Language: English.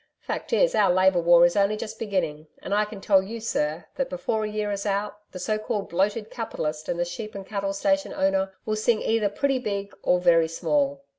Fact is, our Labour War is only just beginning; and I can tell you, Sir, that before a year is out the so called bloated capitalist and the sheep and cattle station owner will sing either pretty big or very small.'